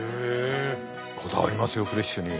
こだわりますよフレッシュに。